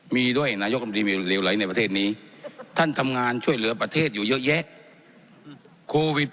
มีด้วยนายกรรมดีมีเหลวไหลในประเทศนี้ท่านทำงานช่วยเหลือประเทศอยู่เยอะแยะโควิด